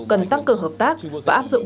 cần tăng cường hợp tác và áp dụng